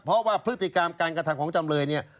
เพราะว่าพฤติกรรมการกระทำของจำเลยเนี่ย